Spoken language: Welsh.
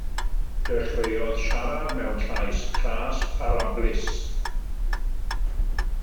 Dechreuodd siarad mewn llais cras, parablus.